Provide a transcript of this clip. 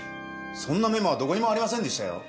そんなメモはどこにもありませんでしたよ。